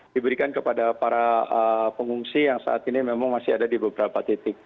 diberikan kepada para pengungsi yang saat ini memang masih ada di beberapa titik